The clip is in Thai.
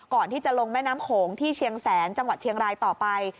ก่อนที่จะลงแม่น้ำโขงที่เชียงแสนจังหวัดเชียงรายต่อไป